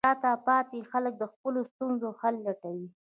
شاته پاتې خلک د خپلو ستونزو حل لټوي.